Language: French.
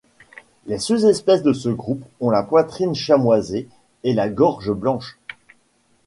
Les sous-espèces de ce groupe ont la poitrine chamoisée et la gorge blanche.